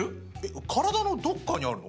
体のどっかにあるの？